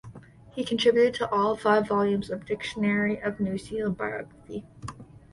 He contributed to all five volumes of the "Dictionary of New Zealand Biography".